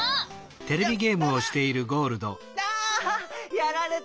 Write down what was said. やられた。